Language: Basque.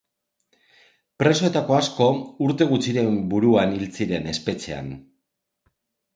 Presoetako asko, urte gutxiren buruan hil ziren, espetxean.